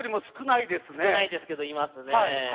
すくないですけどいますねぇ。